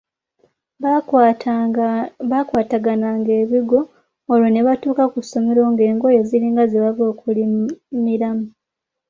Baakwatagananga ebigwo olwo ne batuuka ku ssomero ng’engoye ziringa ze bava okulimiramu.